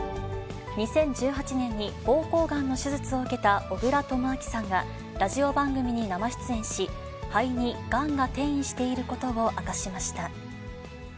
２０１８年にぼうこうがんの手術を受けた小倉智昭さんが、ラジオ番組に生出演し、肺にがんが転移していることを明かしました。